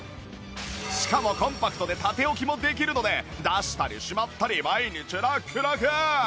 しかもコンパクトで縦置きもできるので出したりしまったり毎日ラックラク